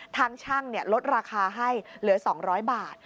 ทางช่างลดราคาให้เหลือ๒๐๐บาท